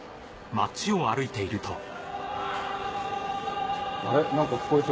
街を歩いていると